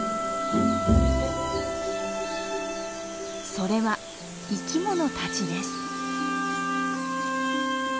それは生き物たちです。